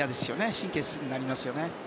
神経質になりますよね。